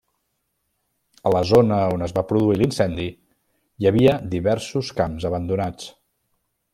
A la zona on es va produir l'incendi hi havia diversos camps abandonats.